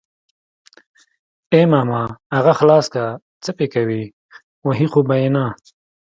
ای ماما اغه خلاص که څه پې کوي وهي خو يې نه.